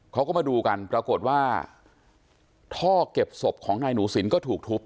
เขาก็มาดูกันปรากฏว่าท่อเก็บศพของนายหนูสินก็ถูกทุบ